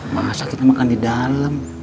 masa kita makan di dalam